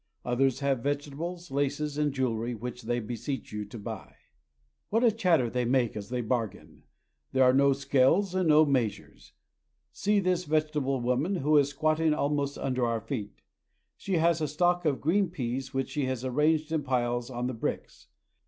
Others have vegetables, laces, and jewelry, which they beseech you to buy. What a chatter they make as they bargain ! There are no scales and no measures. See this vegetable woman The lilac colored building in which Congress meets.' who is squatting almost under our feet. She has a stock of green peas which she has arranged in piles on the bricks.